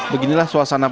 beginilah suasana pembagian